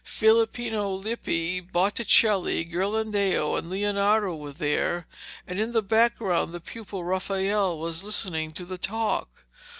Filippino Lippi, Botticelli, Ghirlandaio, and Leonardo were there, and in the background the pupil Raphael was listening to the talk.